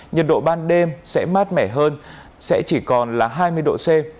nhiệt độ ban đêm sẽ mát mẻ hơn sẽ chỉ còn là hai mươi độ c